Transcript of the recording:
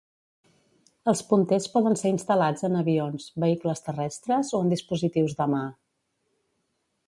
Els punters poden ser instal·lats en avions, vehicles terrestres, o en dispositius de mà.